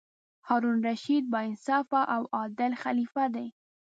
هارون الرشید با انصافه او عادل خلیفه دی.